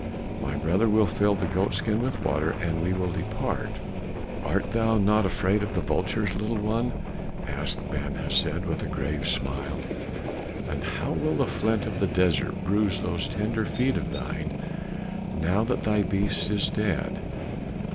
My brother will fill the goat skin with water, and we will depart." "Art thou not afraid of the vultures, little one?" asked Ben Hesed with a grave smile. "And how will the flint of the desert bruise those tender feet of thine now that thy beast is dead."